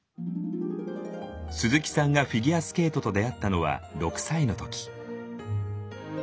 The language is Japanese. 鈴木さんがフィギュアスケートと出会ったのは６歳の時。